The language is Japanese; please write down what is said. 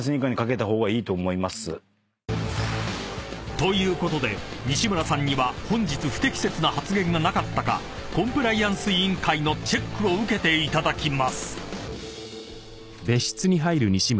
［ということで西村さんには本日不適切な発言がなかったかコンプライアンス委員会のチェックを受けていただきます］